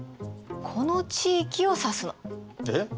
この地域を指すの。え？